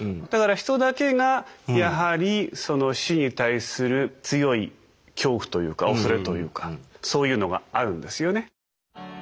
だからヒトだけがやはりその死に対する強い恐怖というか恐れというかそういうのがあるんですよね。